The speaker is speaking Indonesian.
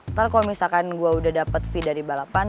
ntar kalau misalkan gue udah dapet fee dari balapan